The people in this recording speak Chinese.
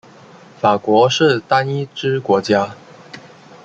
法国是单一制国家。